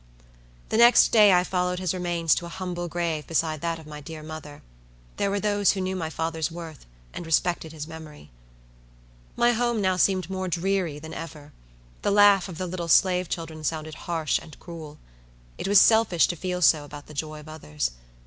The next day I followed his remains to a humble grave beside that of my dear mother. There were those who knew my father's worth, and respected his memory. My home now seemed more dreary than ever. The laugh of the little slave children sounded harsh and cruel. It was selfish to feel so about the joy of others.